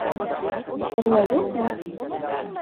Эсергә юҡмы?